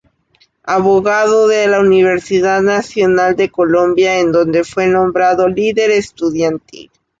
Abogado de la Universidad Nacional de Colombia, en donde fue nombrado líder estudiantil.